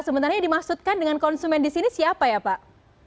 sebenarnya dimaksudkan dengan konsumen di sini siapa ya pak